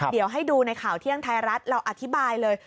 เดี๋ยวให้ดูในข่าวเที่ยงไทยรัฐเราอธิบายเลย